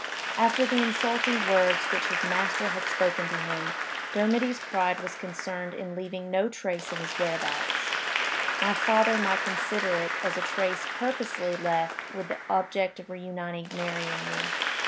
After the insulting words which his master had spoken to him, Dermody's pride was concerned in leaving no trace of his whereabouts; my father might consider it as a trace purposely left with the object of reuniting Mary and me.